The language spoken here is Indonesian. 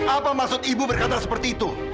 apa maksud ibu berkata seperti itu